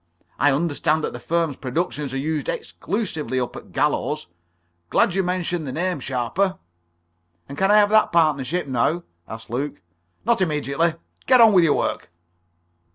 I understand that the firm's productions are used exclusively up at Gallows. Glad you mentioned the name, Sharper." "And can I have that partnership now?" asked Luke. "Not immediately. Get on with your work."